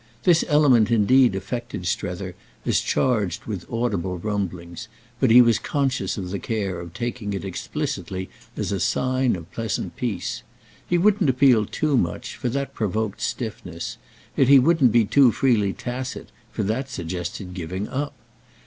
This element indeed affected Strether as charged with audible rumblings, but he was conscious of the care of taking it explicitly as a sign of pleasant peace. He wouldn't appeal too much, for that provoked stiffness; yet he wouldn't be too freely tacit, for that suggested giving up.